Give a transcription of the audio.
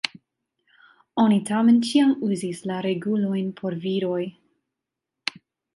Oni tamen ĉiam uzis la regulojn por viroj.